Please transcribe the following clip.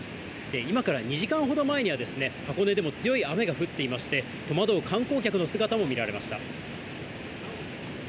今から２時間ほど前には、箱根でも強い雨が降っていまして、戸惑う観光客の姿も見られました。